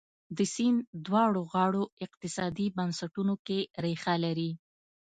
د سیند دواړو غاړو اقتصادي بنسټونو کې ریښه لري.